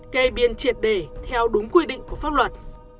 cây biên triệt để theo đúng quy định của pháp luật